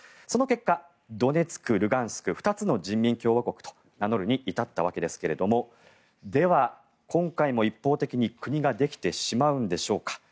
その結果、ドネツク、ルガンスク２つの人民共和国と名乗るに至ったわけですがでは、今回も一方的に国ができてしまうんでしょうか。